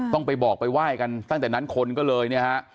ต้องไปบอกไปไหว้กันตั้งแต่นั้นคนก็เลยเนี่ยฮะ